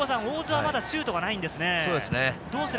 大津はまだシュートがないんですね。